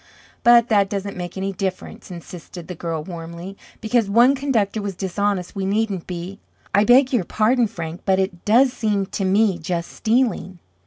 "But that doesn't make any difference," insisted the girl warmly. "Because one conductor was dishonest, we needn't be. I beg your pardon, Frank, but it does seem to me just stealing."